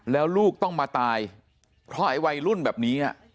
แล้วลูกต้องมาตายเพราะไอ้วัยรุ่นแบบนี้